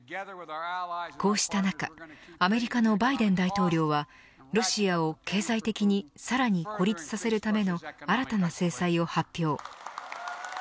こうした中アメリカのバイデン大統領はロシアを経済的にさらに孤立させるための新たな制裁を発表。